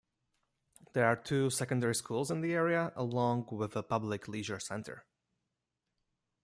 There are two secondary schools in the area along with a public leisure centre.